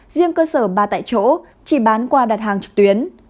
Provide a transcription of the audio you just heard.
riêng cơ sở ba tại chỗ chỉ bán qua đặt hàng trực tuyến